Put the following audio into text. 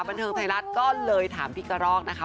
บันเทิงไทยรัฐก็เลยถามพี่กระรอกนะคะ